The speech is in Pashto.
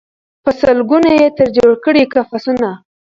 په سل ګونو یې ترې جوړ کړل قفسونه